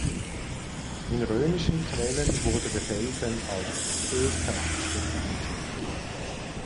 In römischen Quellen wurde der Felsen als "Petra" bezeichnet.